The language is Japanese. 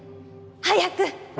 早く！